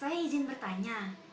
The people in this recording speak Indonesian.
saya izin bertanya